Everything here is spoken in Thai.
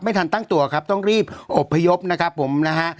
ทันตั้งตัวครับต้องรีบอบพยพนะครับผมนะฮะ